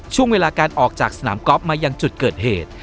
ช่วงเวลาการออกจากสนามกอล์ฟมายังจุดเกิดเหตุ